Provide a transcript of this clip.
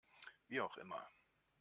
Wie auch immer.